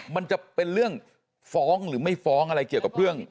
มันจะเป็นเรื่องฟ้องหรือไม่ฟ้องอะไรเกี่ยวกับเรื่อง